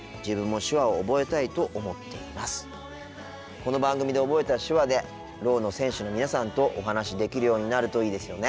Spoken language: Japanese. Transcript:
この番組で覚えた手話でろうの選手の皆さんとお話しできるようになるといいですよね。